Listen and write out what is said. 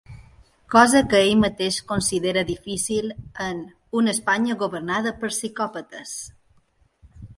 Cosa que ell mateix considera difícil en ‘una Espanya governada per psicòpates’.